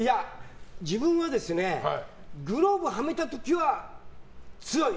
自分はグローブはめた時は強い。